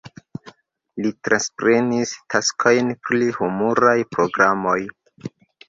Li transprenis taskojn pri humuraj programoj.